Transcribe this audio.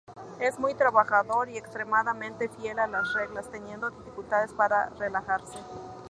Es muy trabajador y extremadamente fiel a las reglas, teniendo dificultades para relajarse.